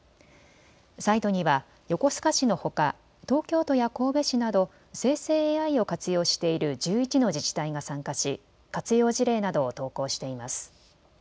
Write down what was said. サイトには横須賀市のほか東京都や神戸市など生成ＡＩを活用している１１の自治体が参加し活用事例などを投稿しています。